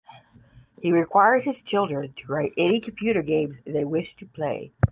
He required his children to write any computer games they wished to play.